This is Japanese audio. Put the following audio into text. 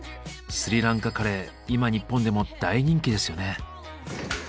スリランカカレー今日本でも大人気ですよね。